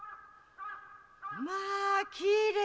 まあきれい！